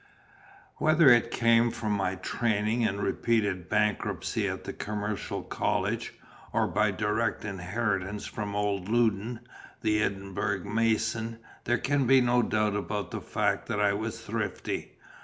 Whether it came from my training and repeated bankruptcy at the commercial college, or by direct inheritance from old Loudon, the Edinburgh mason, there can be no doubt about the fact that I was thrifty.